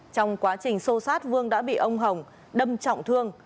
trong quá trình xô xát vương đã bị ông hồng đâm trọng thương